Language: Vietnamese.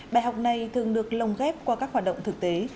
bài học này thường được lồng ghép qua các hoạt động thực tế